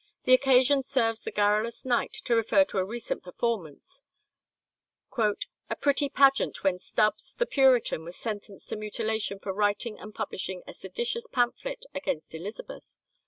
The occasion serves the garrulous knight to refer to a recent performance, "a pretty pageant when Stubbs, the Puritan, was sentenced to mutilation for writing and publishing a seditious pamphlet against Elizabeth.